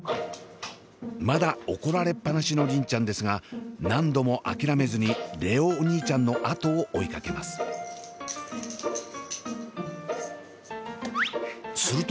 まだ怒られっ放しの梨鈴ちゃんですが何度も諦めずに蓮音お兄ちゃんのあとを追いかけます。